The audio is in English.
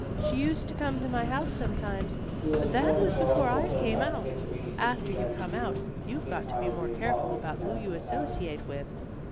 "She used to come to my house sometimes, but that was before I came out. After you come out you've got to be more careful about who you associate with."